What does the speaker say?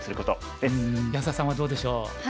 安田さんはどうでしょう？